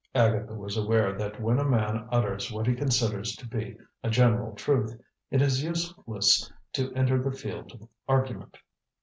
Agatha was aware that when a man utters what he considers to be a general truth, it is useless to enter the field of argument.